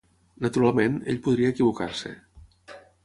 Naturalment, ell podria equivocar-se.